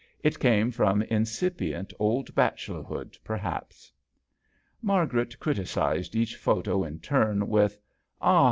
It came from incipient old bachelor hood, perhaps. Margaret criticized each photo in turn with, " Ah